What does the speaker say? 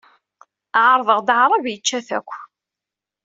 Ɛerḍeɣ-d aɛṛab, yečča-t akk.